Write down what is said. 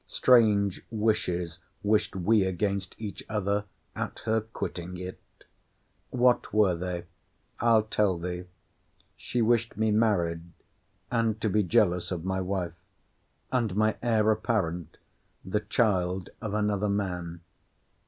Strange wishes wished we against each other at her quitting it——What were they?—I'll tell thee——She wished me married, and to be jealous of my wife; and my heir apparent the child of another man.